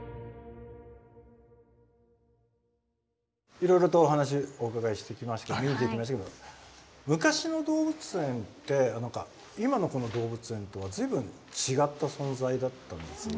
いろいろとお話お伺いしてきましたけど見てきましたけど昔の動物園って何か今のこの動物園とは随分違った存在だったんですね。